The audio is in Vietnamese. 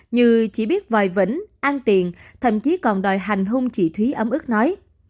như chỉ biết vòi vỉnh ăn tiền thậm chí còn đòi hành hung chỉ thúy ấm ức nói